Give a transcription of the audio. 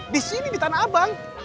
di sini di tanah abang